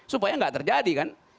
supaya tidak terjadi